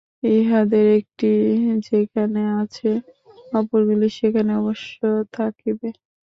ইহাদের একটি যেখানে আছে, অপরগুলি সেখানে অবশ্য থাকিবে।